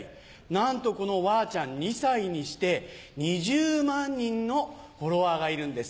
なんとこのわーちゃん２歳にして２０万人のフォロワーがいるんです。